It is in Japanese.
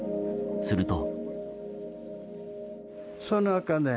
すると。